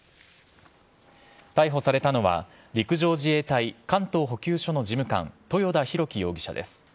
逮捕されたのは、陸上自衛隊関東補給処の事務官、豊田洋樹容疑者です。